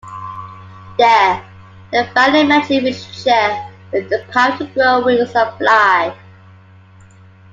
There, they find a magic Wishing-Chair with the power to grow wings and fly.